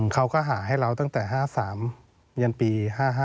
เขาก็หาให้เราตั้งแต่๕๓ยันปี๕๕